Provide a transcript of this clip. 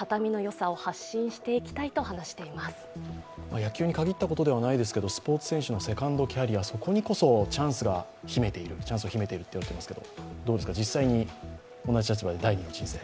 野球に限ったことではないですけれどもスポーツ選手のセカンドキャリア、そこにこそチャンスを秘めていると言われていますが、どうですか、実際に同じ立場で第二の人生。